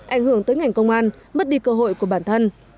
ảnh hưởng tới ngành công an mất đi cơ hội của bản thân